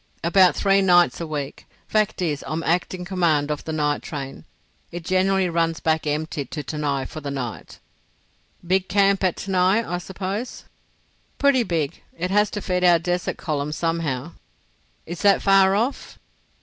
"About three nights a week. Fact is I'm in acting command of the night train. It generally runs back empty to Tanai for the night." "Big camp at Tanai, I suppose?" "Pretty big. It has to feed our desert column somehow." "Is that far off?"